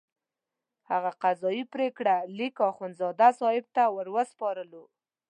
هغه قضایي پرېکړه لیک اخندزاده صاحب ته وروسپارلو.